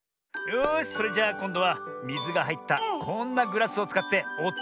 よしそれじゃあこんどはみずがはいったこんなグラスをつかっておとをだしてみよう。